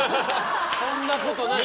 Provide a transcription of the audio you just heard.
そんなことない。